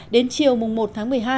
đến chiều một tháng một mươi hai